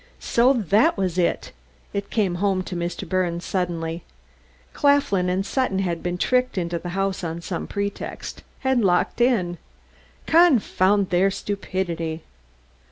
So, that was it! It came home to Mr. Birnes suddenly. Claflin and Sutton had been tricked into the house on some pretext, and locked in! Confound their stupidity!